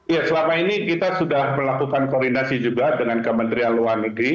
ya selama ini kita sudah melakukan koordinasi juga dengan kementerian luar negeri